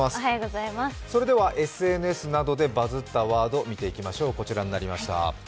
それではＳＮＳなどでバズったワード見ていきましょう。